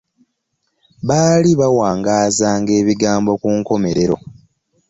Baali baawangaazanga ebigambo ku nkomerero.